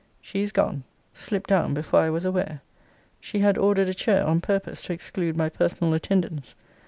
She is gone. Slipt down before I was aware. She had ordered a chair, on purpose to exclude my personal attendance.